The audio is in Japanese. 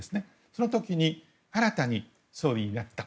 その時に、新たに総理になった。